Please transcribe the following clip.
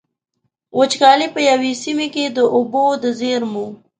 وچکالي په يوې سيمې کې د اوبو د زېرمو.